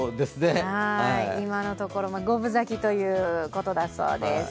今のところ五分咲きということです。